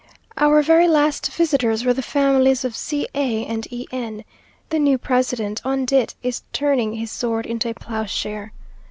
Our very last visitors were the families of C a and E n. The new president, on dit, is turning his sword into a ploughshare.